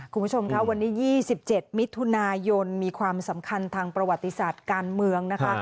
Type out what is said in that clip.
คุณผู้ชมค่ะวันนี้๒๗มิถุนายนมีความสำคัญทางประวัติศาสตร์การเมืองนะคะ